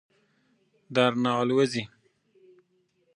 درنه آلوځي.